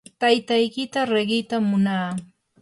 taytaykita riqitam munaa.